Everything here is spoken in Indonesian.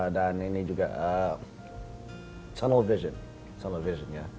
dan ini juga tunnel vision nya